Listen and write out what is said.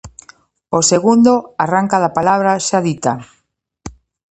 O segundo arranca da palabra xa dita.